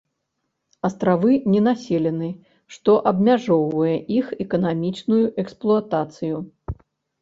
Астравы ненаселены, што абмяжоўвае іх эканамічную эксплуатацыю.